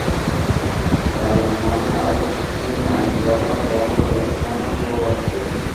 তার মানে আরও বেশ কিছুদিন আইনি ঝামেলা পোহাতে হবে বার্সেলোনা ফরোয়ার্ডকে।